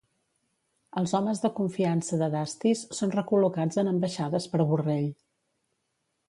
Els homes de confiança de Dastis són recol·locats en ambaixades per Borrell.